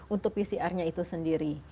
untuk pcrnya itu sendiri